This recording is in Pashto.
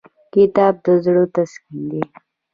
کتاب د زړه تسکین دی.